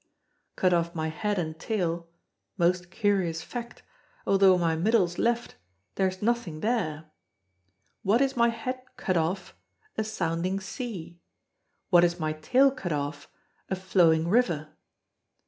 Cut off my head and tail most curious fact, Although my middle's left, there's nothing there! What is my head cut off? a sounding sea! What is my tail cut off? a flowing river!